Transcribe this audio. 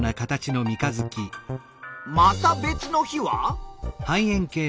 また別の日は？